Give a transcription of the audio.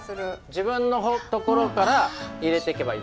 自分のところから入れていけばいい。